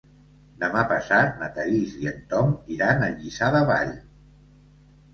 Demà passat na Thaís i en Tom iran a Lliçà de Vall.